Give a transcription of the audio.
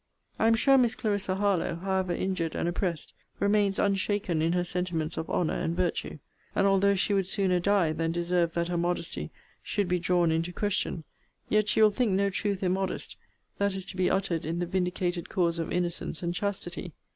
I am sure Miss Clarissa Harlowe, however injured and oppressed, remains unshaken in her sentiments of honour and virtue: and although she would sooner die than deserve that her modesty should be drawn into question; yet she will think no truth immodest that is to be uttered in the vindicated cause of innocence and chastity.